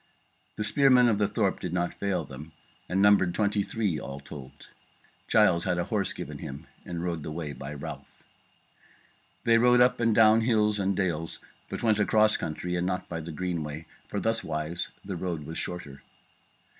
The spearmen of the thorp did not fail them, and numbered twenty and three all told. Giles had a horse given him and rode the way by Ralph. They rode up and down the hills and dales, but went across country and not by the Greenway, for thuswise the road was shorter.